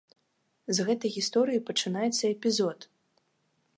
З гэтай гісторыі пачынаецца эпізод.